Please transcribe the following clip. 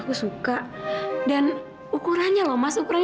mas upper diella sudah and